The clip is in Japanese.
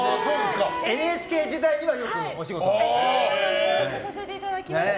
ＮＨＫ時代にはよくさせていただきまして。